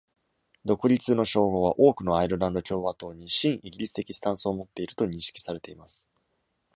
「独立」の称号は、多くのアイルランド共和党に親イギリス的スタンスを持っていると認識されています。